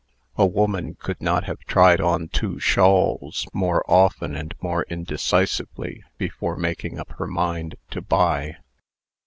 A woman could not have tried on two shawls more often and more indecisively, before making up her mind to buy.